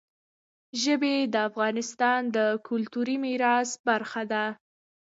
ژبې د افغانستان د کلتوري میراث برخه ده.